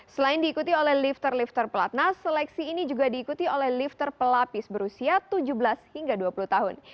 selain diikuti oleh lifter lifter pelatnas seleksi ini juga diikuti oleh lifter pelapis berusia tujuh belas hingga dua puluh tahun